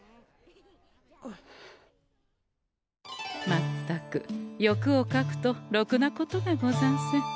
まったく欲をかくとろくなことがござんせん。